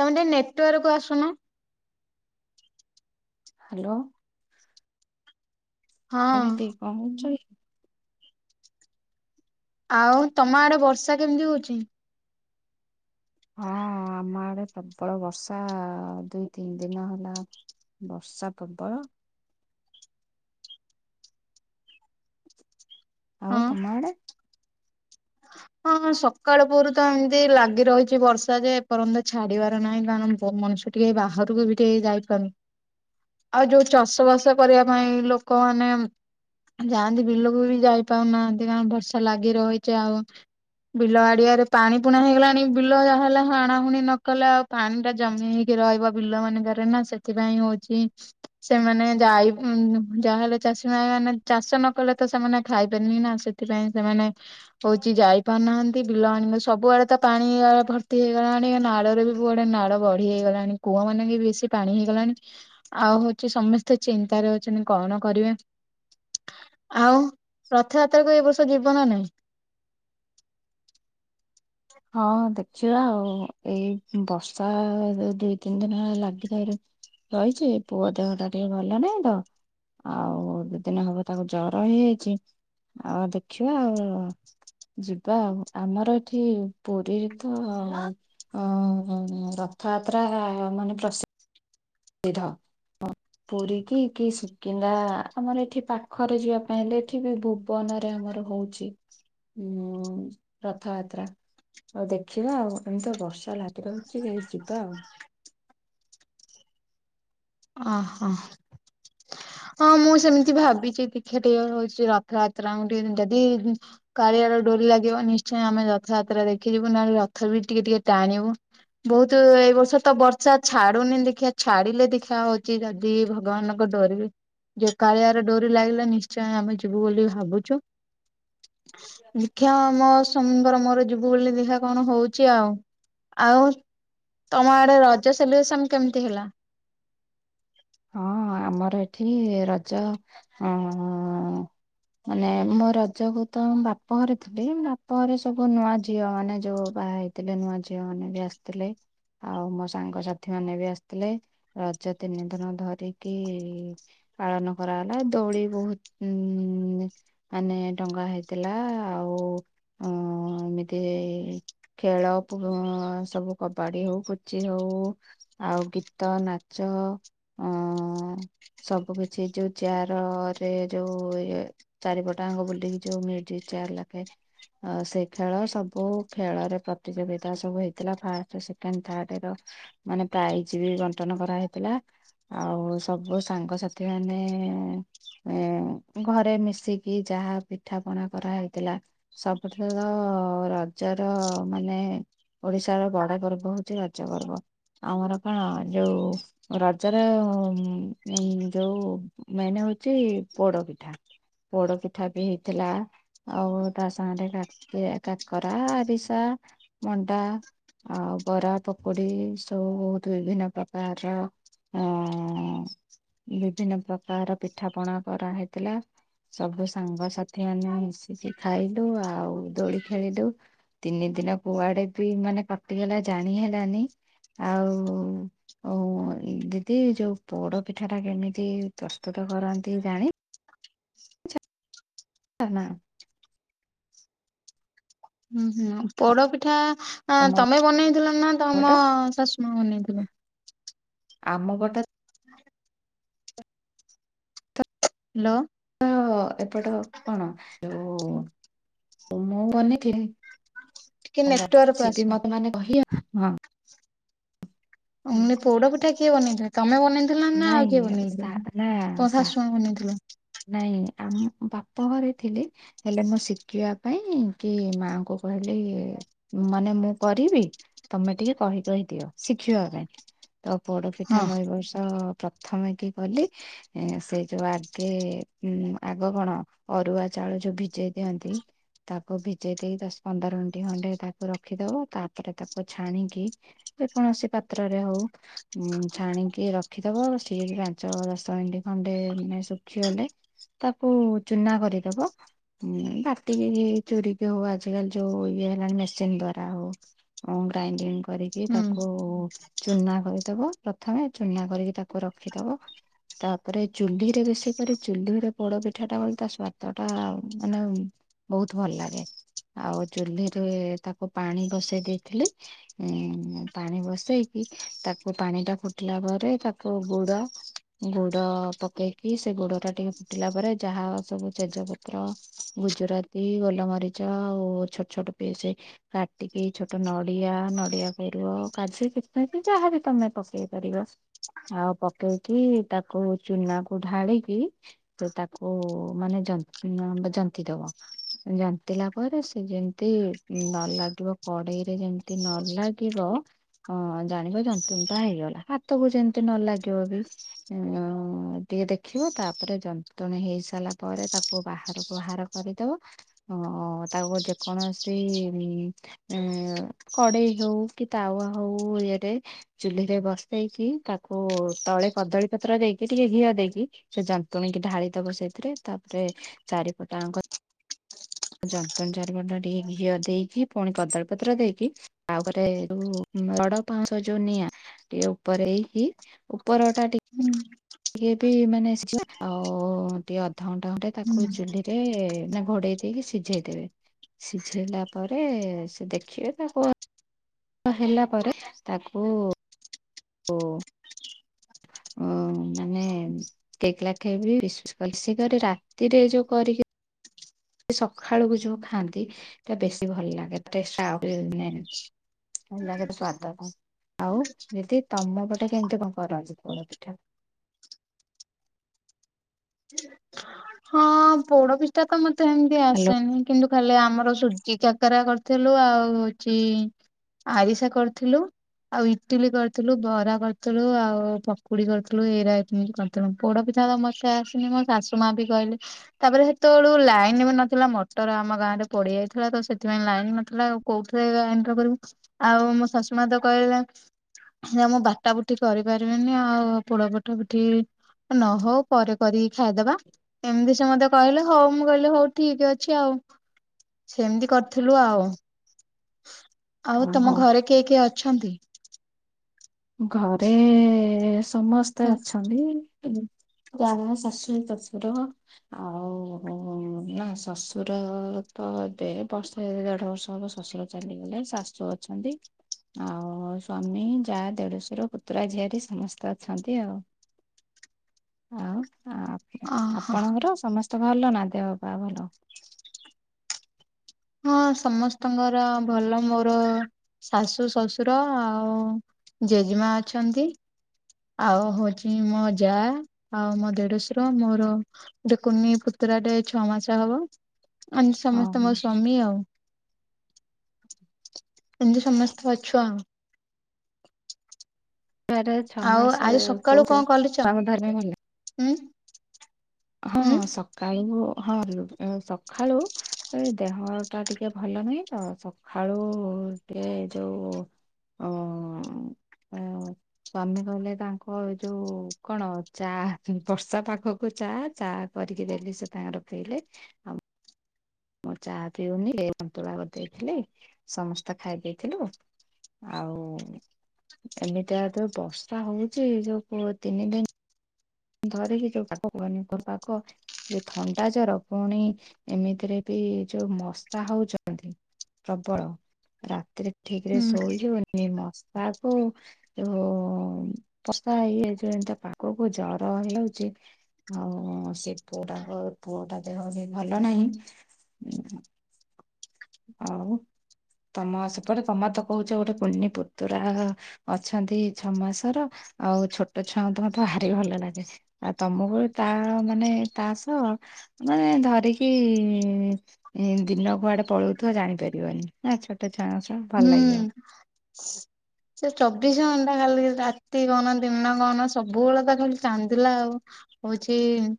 ତମେ ନେଟୱାର୍କ ଆସୁନ। ହାଲୋ। ହଁ ଦିଦି କଣ କରୁଚ କି? ଆଉ ତମ ଆଡେ ବର୍ଷା କେମିତି ହଉଛି? ହଁ ଆମ ଆଡେ ପ୍ରବଳ ବର୍ଷା ଦୁଇ ତିନି ଦିନ ହେଲା। ବର୍ଷା ପ୍ରବଳ। ଆଉ ତୁମ ଆଡେ? ହଁ। ହଁ ସକାଳ ପହରୁ ତ ଏମିତି ଲାଗି ରହିଛି ବର୍ଷା ଯେ ଏପରନ୍ତ ଛାଡିବାର ନାହିଁ କାରଣ ପ- ମଣିଷ ଟିକେ ବାହାରକୁ ବି ଟିକେ ଯାଇ ପାରୁନୁ। ଆଉ ଯୋଉ ଚାଷ ବାସ କରିବା ପାଇଁ ଲୋକମାନେ ଉଁ, ଯାଆନ୍ତି ବିଲକୁ ବି ଯାଇପାରୁନାହାନ୍ତି କାରଣ ବର୍ଷା ଲାଗି ରହିଛି ଆଉ। ବିଲ ଆଡିଆରେ ପାଣି ପୁଣା ହେଇଗଲାଣି ବିଲ ଯାହା ହେଲା ହାଣା ହୁଣି ନ କଲେ ଆଉ ପାଣି ଟା ଜମି ହେଇ କି ରହିବ ବିଲ ମାନଙ୍କରେ ନା ସେଥିପାଇଁ ହଉଛି ସେମାନେ ଯାଇ ଉଁ, ଯାହାହେଲେ ଚାଷୀ ଭାଇ ମାନେ ଚାଷ ନ କଲେ ତ ସେମାନେ ଖାଇବେନି ନା, ସେ ଥିପାଇଁ ସେମାନେ ହଉ ଚି ଯାଇପାରୁନାହାନ୍ତି ବିଲ ଆଣି ସବୁଆଡେ ତ ପାଣି ଆ, ଭର୍ତ୍ତି ହେଇଗଲାଣି, ନାଳରେ ବି ସବୁ ଆଡେ ନାଳ ବଢିହେଇଗଲାଣି, କୂଅ ମାନେ ବି ବେଶୀ ପାଣି ହେଇଗଲାଣି। ଆଉ ହଉଛି ସମସ୍ତେ ଚିନ୍ତାରେ ଅଛନ୍ତି, କଣ କରିବେ? ଆଉ ରଥଯାତ୍ରାକୁ ଏ ବର୍ଷ ଯିବ ନା ନାହିଁ? ହଁ ଦେଖିବା ଆଉ ଏଇ ଉଁ, ବର୍ଷା ଯୋଉ ଦୁଇ ତିନି ଦିନ ହେଲା ଲାଗିରହିରୁ ରହିଛି ପୁଅ ଦେହ ଟା ଟିକେ ଭଲ ନାଇଁ ତ। ଆଉ ଦି ଦିନ ହବ ତାକୁ ଜର ହେଇଯାଇଛି। ଆଉ ଦେଖିବା ଆଉ ଯିବା ଆଉ। ଆମର ଏଠି ପୁରୀରେ ତ ଅ, ରଥଯାତ୍ରା ମାନେ ପ୍ରସି ସିଦ୍ଧ। ପରୀ କିି କି ଶିକିନ୍ଦା ଆମର ଏଠି ପାଖରେ ଯିବା ପାଇଁ ହେଲେ, ଏଠି ବି ଭୁ ବନରେ ଆମର ହଉଛି ଉ, ରଥଯାତ୍ରା। ଆଉ ଦେଖିବା ଆଉ ଏମିତି ତଶବର୍ଷା ଲାଗି ରହୁଚି ଏଇ ଯିବା ଆଉ। ଓହୋ। ହଁ ମୁଁ ସେମିତି ଭାବିଚି ଦେଖିଆ ଟିକେ ହଉଛି ରଥଯାତ୍ରା ଙ୍କୁ ଟିକେ ଯଦି ହୁଁ କାଳିଆ ର ଡୋରି ଲାଗିବ ନିଶ୍ଚୟ ଆମେ ରଥଯାତ୍ରା ଦେଖିଯିବୁ, ନହେଲେ ରଥ ବି ଟିକେ ଟିକେ ଟାଣିବୁ। ବହୁତ ଏଇ ବର୍ଷ ତ ବର୍ଷା ଛାଡୁନି ଦେଖିଆ ଛାଡିଲେ ଦେଖି ଖା ହଉଚି ଯଦି ଭଗବାନଙ୍କ ଡୋରି ଯେ କାଳିଆର ଡୋରି ଲାଗିଲା ନିଶ୍ଚୟ ଆମେ ଯିବୁ ବୋଲି ଭାବୁଛୁ। ଦେଖିଆ ମୋ ସ୍ୱାମୀଙ୍କର ମୋର ଯିବୁ। ବୁ ବୋଲି ଦେଖିଆ କଣ ହଉଛି ଆଉ, ଆଉ ତୋମ ଆଡେ ରଜ ସେଲିବ୍ରେସନ୍ କେମିତି ହେଲା? ହଁ ଆମର ଏଠି ରଜ ଅଁ, ମାନେ ମୋ ରଜକୁ ତ ବାପଘରେ ଥିଲି। ବାପଘରେ ସବୁ ନୂଆ ଝିଅ ମାନେ ଯୋଉ ବାହା ହେଇ ଥିବେ ନୂଆ ଝିଅ ମାନେ ବି ଆସିଥିଲେ। ଆଉ ମୋ ସାଙ୍ଗସାଥି ମାନେ ବି ଆସିଥିଲେ ରଜ ତିନି ଦିନ ଧରିକି ପାଳନ କରାହେଲା ଦଳି ବହୁତ ଉଁ ଏ ମାନେ ଟଙ୍ଗା ହେଇଥିଲା ଆଉ ଅ, ଏମିତି ଖେଳ ପୁଅଁ ସବୁ କବାଡି ହଉ ପୁଚି ହଉ। ଆଉ ଗୀତ ନାଚ। ଅ ସବୁ କିଛି ଏ ଯୋଉ ଚିଆର ରେ ଯୋଉ ଇଏ ଚାରିପଟାଙ୍ଗ ବୁଲିକି ଯୋଉ ମ୍ୟୁଜିକ ଚିଆର ଲାଖେ। ଅ, ସେ ଖେଳ ସବୁ ଖେଳରେ ପ୍ରତିଯୋଗିତା ସବୁ ହେଇଥିଲା ଫାଷ୍ଟ, ସେକେଣ୍ଡ, ଥାର୍ଡ ର ମାନେ ପ୍ରାଇଜ ବି ବଣ୍ଟନ କରାହେଇଥିଲା। ଆଉ ସବୁ ସାଙ୍ଗସାଥି ମାନେ। ଏ ଘରେ ମିଶିକି ଯାହା ପିଠା ପଣା କରାହେଇଥିଲା। ସବୁଠୁ ତ ରଜ ର ମାନେ। ଓଡିଶାର ବଡ ପର୍ବ ହଉଛି ରଜ ପର୍ବ ଆମର କଣ ଯୋଉ ର ଜର ଯୋଉ ମେନ୍ ହଉଛି ପୋଡ ପିଠା। ପୋଡ ପିଠା ବି ହେଇଥିଲା। ଆଉ ତା ସାଙ୍ଗରେ କାକରା ଆରିସା ମଣ୍ଡା। ଆଉ ବରା ପକୁଡି ସବୁ ବହୁତ ବିଭିନ୍ନ ପ୍ରକାରର। ଅ-ଅ-ବିଭିନ୍ନ ପ୍ରକାରର ପିଠା ପଣା କରାହେଇଥିଲା। ସବୁ ସାଙ୍ଗସାଥି ମାନେ ମିଶିକି ଖାଇଲୁ ଆଉ ଦୋଳି ଖେଳିଲୁ। ତିନି ଦିନ କୁଆଡେ ବି ମାନେ କଟିଗଲା ଜାଣି ହେଲାନି। ଆଉ- ଉ - ଉ ଦି ଯୋଉ ପୋଡ ପିଠା ଟା କେମିତି ପ୍ରସ୍ତୁତ କରନ୍ତି ଜାଣି ନା। ହୁଁ ହୁଁ ପୋଡ ପିଠା ତମ ତମେ ବନେଇଥିଲ ନା ପଟ ତମ ଶଶୁମା ବନେଇଥିଲେ। ଆମ ଗୋଟେ। ହ୍ୟାଲୋ। ତ ଏପଟ କଣ ଯୋଉ। ମୁଁ ବନେଇଥିଲି। ଟିକେ ହ୍ୟାଲୋ ନେଟୱାର୍କକୁ ସି ଆସ। ବି ମନେ ମାନେ କହିବା ହଁ। ଓ ନିଂ ପୋଡ ପଠା କିଏ ବନେଇଥିବେ ତମେ ବନେଇ। ଥିଲ ନା ଆଉ କିଏ ନାଇଁ ସା ନା ବନେଇଥିଲେ ତ ସା ଶୁଶୁମା ବନେଇଥିଲେ? ନାଇଁ ଆମ ବାପା ଘରେ ଥିଲି। ହେଲେ ମୁଁ ଶିଖିବା ପାଇଁ କି ମାଆଙ୍କୁ କହିଲି। ମାନେ ମୁଁ କରିବି ତମେ ଟିକେ କହି କହିଦିଅ ଶିଖିବା ପାଇଁ। ତ ପୋଡପିଠା ହଁ ମୁଁ ଏ ବର୍ଷ ପ୍ରଥମେ କି କଲି। ସେ ଯୋଉ ଆଗେ ଉ ଆଗ କଣ ଅରୁଆ ଚାଉଳ ଯୋଉ ଭିଜେଇ ଦିଅନ୍ତି। ତାକୁ ଭିଜେଇ ଦେଇ ଦଶ ପନ୍ଦର ମିନିଟ ଖଣ୍ଡେ ତାକୁ ରଖିଦବ ତାପରେ ତାକୁ ଛାଣିକି। ଯେ କୌଣସି ପାତ୍ରରେ ହଉ ଉଁ ଛାଣିକି ର ଖିଦେବ ସିଏ ପାଞ୍ଚ ଦଶ ମିନିଟି ଖଣ୍ଡେ ଇନେ ଶୁଖିଗଲେ। ତାକୁ ଚୁନା କରିଦବ। ହୁଁ ବାଟିକି ଚୋରିିକ ହଉ ଆଜିକାଲି ଯୋଉ ଇଏ ହେଲାଣି ମେସିନ୍ ଦ୍ଵାରା ହଉ। ଗ୍ରାଇଣ୍ଡିଙ୍ଗ କରିକି ହୁଁ ତାକୁ ଚୁନା କରିଦବ ପ୍ରଥମେ ଚୁନା। କରିକି ତାକୁ ରଖିଦବ। ତାପରେ ଚୁଲିରେ ବେଶୀ କରି ଚୁଲିରେ ପୋଡ ପିଠାଟା କଲେ ତା ସ୍ଵାଦଟା ମାନେ। ବହୁତ ଭଲ ଲାଗେ ଆଉ ଚୁଲିରେ ତାକୁ ପାଣି ବସେଇ ଦେଇଥିଲି। ଉ ପାଣି ବସେଇକି ତାକୁ ପାଣି ଟା ଫୁଟିଲା ପରେ ତାକୁ ଗୁଡ। ଗୁଡ ପକେଇକି ସେ ଗୁଡ ଟା ଟିକେ ଫୁଟିଲା ପରେ ଯାହା ସବୁ ତେଜ ପତ୍ର। ଗୁଜୁରାତି ଗୋଲମରିଚ ଆଉ ଛୋଟ ଛୋଟ ପିସ। କାଟିକି ଛୋଟ ନଡିଆ ନଡିଆ ପରୁ କାଯୁକିଶ୍ମିସ୍ ଯାହାବି ତମେ ପକେଇ ପାରିବ। ଆଉ ପକେଇକି ତାକୁ ଚୁନା କୁ ଢାଳିକି। ସେ ତାକୁ ମାନେ ଜନ୍ତି ଦବ। ଜନ୍ତିଲା ପରେ ସେ ଯେମତି ନ ଲାଗିବ କଡେଇରେ ଯେମତି ନ ଲାଗିବ। ହଁ ଜାଣିବ ଯନ୍ତୁଣି ଟା ହେଇଗଲା ହାତକୁ ଯେମତି ନ ଲାଗିବ ବି। ଆଉ ଟିକେ ଦେଖିବ ତାପରେ ଯନ୍ତୁଣି ହେଇ ସାରିଲା ପରେ ତାକୁ ବାହାରକୁ ବାହାର। କରିଦବ ତା ଯେକୌଣସି ଉ କଡେଇ ହଉ କି ତାୱା ହଉ ଇୟରେ ଚୁଲିରେ ବସି ଦେଇେଇକି ତାକୁ ତଳେ କଦଳୀ ପତ୍ର ଦେଇକି ଟିକେ ଘିଅ ଦେଇକି ସେ ଯନ୍ତୁଣୀ କି ଢାଳି ଦବ ସେଇଥିରେ ତାପରେ ଚାରିପଟାର ଆଙ୍କ ଯନ୍ତ୍ର ଚାରିପଟା ଟିକେ ଘିଅ ଦେଇକି ପୁଣି କଦଳୀପତ୍ର ଦେଇକି ଆଉ ଘରେ ଯୋଉ ରଡ ପାଉଁଶ ଯୋଉ ନିଆଁ ଟିକେ ଉପରେ ହେଇକି ଉପର ଟା ଟିକେ ଟିକେ ବି ମାନେ ଆସିବା ଆଉ ଟିକେ ଅଧଘଣ୍ଟା ଘଣ୍ଟେ ତାକୁ ହୁଁ। ଚୁଲିରେ ନା ଘୋଡେଇ ଦେଇକି ସିଝେଇଦେବେ। ସିଝେଇଲା ପରେ ସେ ଦେଖିବେ ତାକୁ ହେଲା ପରେ ତାକୁ ଓ ମାନେ କେ ଲା ଖାଇବ ବିଶ୍ୱଵାସ କଲେ ସେ ରାତିରେ ଯୋଉ କରିକି ସେ ସକାଳକୁ ଯୋଉ ଖାଆନ୍ତି ତା ବେଶୀ ଭଲ ଲାଗେ। [unintelligible] ଏଣ୍ଡା କେ ତ ସ୍ୱଦ କ ଆଉ ଦିଦି ତମ ପଟେ କେମତି କଣ କରଛି ପୁଡ ପିଠା ହଁ ପୋଡ ପିଠା ତ ମତେ ସେମତି ହ୍ୟାଲୋ। ଆସେନି। କିନ୍ତୁ ଖାଲି ଆମର ସୁଜି କାକରା କରିଥିଲୁ ଆଉ ହଉଛି ଆରିସା କରିଥିଲୁ। ଆଉ ଇଟିଲି କରିଥିଲୁ ବରା କରିଥିଲୁ ଆଉ ପକୁଡି କରିଥିଲୁ ଏଇରା ଏମ କରିଥିଲୁ। ତେଣୁ ପୋଡ ପିଠା ତ ମତେ ଆସିନି ମୋ ଶାଶୁ ମା ବି କହିଲେ ତାପରେ ସେତେବେଳୁ ଲାଇନ ବି ନଥିଲା ମଟର ଆମ ଗାଁ ରେ ପଡି ଯାଇଥିଲା ତ ସେଥିପାଇଁ ଲାଇନ ନଥିଲା। କୋଉଠିରେ ଏଣ୍ କରୁ ଆଉ ମୋ ଶାଶୁ ମା ତ କହିଲେ ସେ ମୁଁ ବାଟା ବୁଟି କରିପାରିବିନି ଆଉ ପୋଡ ପଠା ପିଠି ନହଉ ପରେ କରିକି ଖାଇଦବା ଏମିତି ସେ ମତେ କହିଲେ ହଉ ମୁଁ କହିଲି ହଉ ଠିକ ଅଛି ଆଉ ସେମିତି କରିଥିଲୁ ଆଉ ଆଉ ତମ ଓହୋ ଘରେ କିଏ କିଏ ଅଛନ୍ତି? ଘରେ ସମସ୍ତେ ଅଛନ୍ତି। [unintelligible] ଶାଶୁ ଶଶୁର। ଆଉ ନା ଶ୍ୱଶୁର ତ ଏବେ ବର୍ଷ ଦେଢ ବର୍ଷ ହବ ଶ୍ୱଶୁର ଚାଲିଗଲେ ଶାଶୁ ଅଛନ୍ତି ଆଉ ସ୍ଵାମୀ ଚା ଦେଢଶର ପୁତୁରା ଝିଆରିୀ ସମସ୍ତେ ଅଛନ୍ତି ଆଉ ଆଉ ଅହୋ ଆପଣଙ୍କର ସମସ୍ତେ ଭଲ ନା ଦେହ ପା ଭଲ ହଁ ସମସ୍ତଙ୍କର ଭଲ ମୋର ଶାଶୁ ଶଶୁର ଆଉ ଜେଜେମା ଅଛନ୍ତି। ଆଉ ହଉଛି ମୋ ଯା ଆଉ ମୋ ଦେଢଶର ମୋର ଗୋଟେ କୁନି ପୁତୁରାଟେ ଛଅ ମାସ ହବ ଆ ସମସ୍ତେ ହଁ ମୋ ସ୍ଵାମୀ ଆଉ ଏମିତି ସମସ୍ତେ ଅଛୁ ଆଉ ଛୁଆର ଛଅ ଆଉ ମାସ ଆଜି କହୁଛ ତାକୁ ଧରିବାକୁ ଭଲ ଲାଗେ। ହୁଁ। ହଁ ସକାଳୁ ହଁ ସକାଳୁ ସେଇ ଦେହ ଟା ଟିକେ ଭଲ ନାହିଁ ତ ସକାଳୁ ଟିକେ ଯୋଉ ଅଁ ସ୍ୱାମୀ କହିଲେ ତାଙ୍କ ଏ ଯୋଉ କଣ ଚା ବର୍ଷା ପାଗକୁ ଚା। ଚା କରିକି ଦେଲି ସେ ତାଙ୍କର ପିଇଲେ। ଆଉ ମୋ ଚାହା ପିଉନି [unintelligible] ସନ୍ତୁଳା କରିଦେଇଥିଲି ସମସ୍ତେ ଖାଇ ଦେଇଥିଲୁ। ଆଉ ଏମିତିଆ ତ ବର୍ଷା ହଉଚି ଯୋଉ ତିନି ଦିନ ଧରିକି ଯୋଉ ପାଗ କୁହନି [unintelligible] ଯ ଥଣ୍ଡା ଜର ପୁଣି ଏମିତିରେ ବି ଯୋଉ ମଶା ହଉଚନ୍ତି। ପ୍ରବଳ ରାତିରେ ଠିକ ରେ ହୁଁ ଶୋଇହୋଉନି। ଏ ମଶା କଉ ମଷା ଇଏ ଯେ ଏମତା ପାଖକୁ ଜର ହେଇଯାଉଚି ଆଉ ସେ ପୁଅଟା ପୁଅ ଟା ଦେହ ବି ଭଲ ନାହିଁ। ଆଉ ତମ ସେପଟେ ତମ ତ କହୁଛ ଗୋଟେ ପୁନି ପୁତୁରା ଅଛନ୍ତି ଛଅ ମାସର ଆଉ ଛୋଟ ଛୁଆଙ୍କୁ ତ ମତେ ବାହାରି ଭଲ ଲାଗେ। ଆଉ ତମକୁ ତା ମାନେ ତା ସହ ମାନେ ଧରିକି ଦିନ କୁଆଡେ ପଳଉ ଥୁବ ଜାଣିପାରିବନି ନା ଛୋଟ ଛୁଆଙ୍କ ସହ ଭଲ ଲାଗିବ। ହୁଁ। ସେ ଚବିଶ ଘଣ୍ଟା ଖାଲି ରାତି କନ ଦିନ କଣ ସବୁବେଳେ ତ ଖାଲି ଚାନ୍ଦିଲା ଆଉ। ହଉଚି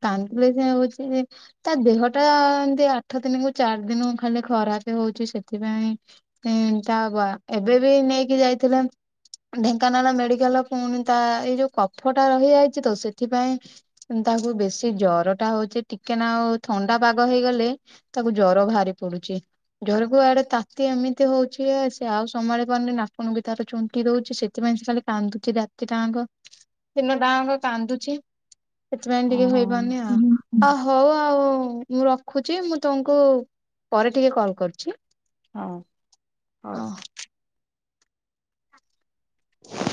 କନ୍ଦଥିଲେ ସେ ହଉଚି ତା ଦେହ ଟା ଏମତି ଆଠ ଦିନକୁ ଚାରି ଦିନକୁ ଖାଲି ଖରାପ ହଉଚି ସେଥିପାଇଁ ତା ବା ଏବେ ବି ନେଇକି ଯାଇଥିଲେ ଢେଙ୍କାନାଳ ମେଡିକାଲ ପୁଣି ତା ଏଇ ଯୋଉ କଫଟା ରହିଯାଇଚି ତ ସେଇଥିପାଇଁ। ତାକୁ ବେଶୀ ଜର ଟା ହଉଚ ଟିକେ ନା ଆଉ ଥଣ୍ଡା ପାଗ ହେଇଗଲେ ତାକୁ ଜର ବାହାରି ପଡୁଚି। ଜରକୁୁଆଡେ ତାତି ଏମିତି ହଉଚି ସେ ଆଉ ସମାଳି ପାରୁନି ନାକ ନୁକି ତାର ଚୁଣ୍ଟି ଦଉଚି ସେଥିପାଇଁ ସେ ଖାଲି କାନ୍ଦୁି ରାତି ଟା ଆଙ୍କ ଦିନ ଟା ଆଙ୍କ କାନ୍ଦୁଚି। ସେଥିପାଇଁ ଟିକେ ଓହୋ ସୋଇପାରୁନି ଆଉ। ହୁଁ ହୁଁ ଅ ହଉ ଆଉ ମୁଁ ରଖୁଚି ମୁଁ ତମକୁ ପରେ ଟିକେ କଲ କରୁଚି। ହଁ ହଉ।